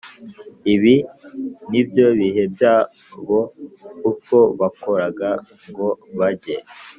Ibi ni byo bihe byabo uko bakoraga ngo bajye